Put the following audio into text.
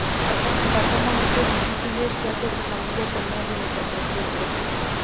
Pasó momentos difíciles, ya que su familia tenía limitaciones en recursos.